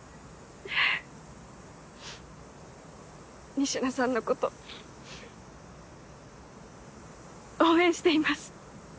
仁科さんのこと応援しています。